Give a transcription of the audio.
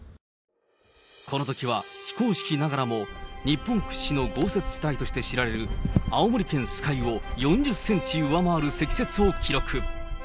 このときは非公式ながらも、日本屈指の豪雪地帯として知られる、青森県酸ヶ湯を４０センチ上回る積雪を記録。